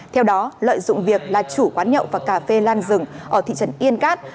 theo đó lợi dụng việc là chủ quán nhậu và cà phê lan dừng ở thị trần yên cát